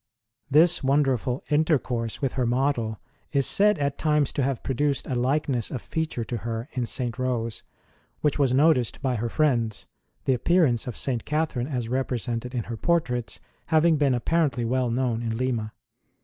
This wonderful intercourse with her model is said at times to have produced a likeness of feature to her in St. Rose, which was noticed by her friends, the appearance of St. Catherine as represented in her portraits having been appar ently well known in Lima.